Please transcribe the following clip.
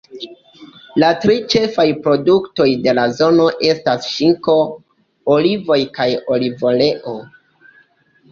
La tri ĉefaj produktoj de la zono estas ŝinko, olivoj kaj olivoleo.